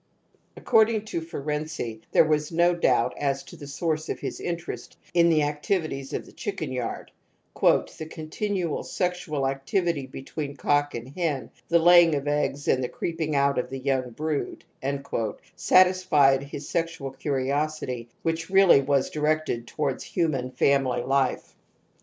According to Ferenczi there was no doubt as to the source of his interest in the activities of the chicken yard :" The continual sexual ac tivity between cock and hen, the laying of eggs and the creeping out of the young brood "•* satisfied his sexual curiosity which really was directed towards human family life.